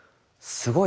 すごい！